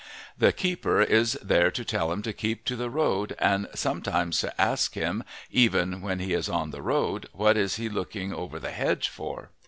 The keeper is there to tell him to keep to the road and sometimes to ask him, even when he is on the road, what is he looking over the hedge for.